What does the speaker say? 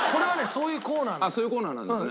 そういうコーナーなんですね。